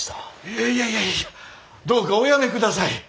いやいやいやどうかおやめください。